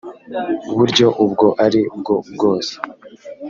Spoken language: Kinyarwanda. buryo ubwo ari bwo bwose